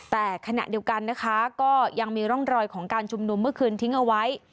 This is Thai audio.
แต่ขณะเดียวกันนะคะก็ยังมีร่องรอยของการชุมนุมเมื่อคืนทิ้งเอาไว้